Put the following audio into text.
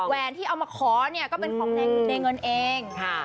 แวนที่เอามาขอเนี่ยก็เป็นของในเงินเอง